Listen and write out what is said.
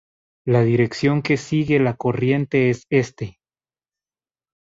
La dirección que sigue la corriente es este.